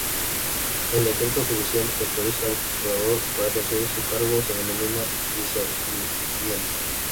El decreto judicial que autoriza al curador para ejercer su cargo se denomina "discernimiento".